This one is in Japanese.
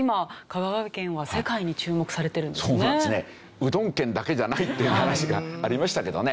「うどん県だけじゃない」っていう話がありましたけどね。